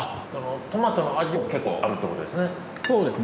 トマトの味も結構あるってことですね。